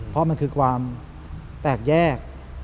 เพราะมันคือความแตกแยก